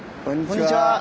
こんにちは！